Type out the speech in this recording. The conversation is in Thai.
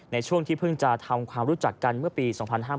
ในช่วงที่เพิ่งจะทำความรู้จักกันเมื่อปี๒๕๕๙